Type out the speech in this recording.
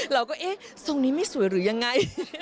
เราก็เอ๊ะทรงนี้ไม่สวยหรือยังไง